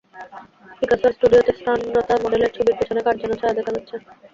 পিকাসোর স্টুডিওতে স্নানরতা মডেলের ছবির পেছনে কার যেন ছায়া দেখা যাচ্ছে।